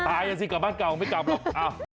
กระตายนะสิกลับบ้านเก่าไม่กลับหรอก